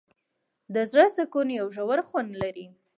د زړه سکون یو ژور خوند لري.